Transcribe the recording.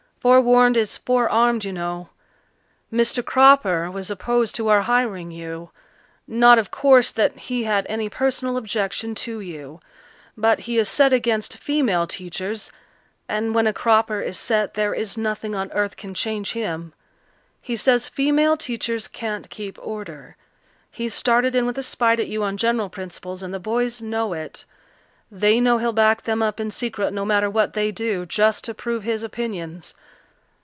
Forewarned is forearmed, you know. Mr. Cropper was opposed to our hiring you. Not, of course, that he had any personal objection to you, but he is set against female teachers, and when a Cropper is set there is nothing on earth can change him. He says female teachers can't keep order. He's started in with a spite at you on general principles, and the boys know it. They know he'll back them up in secret, no matter what they do, just to prove his opinions.